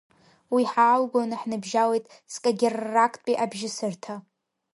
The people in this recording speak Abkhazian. Уи ҳаалгоны ҳныбжьалеит Скагеррактәи абжьысырҭа.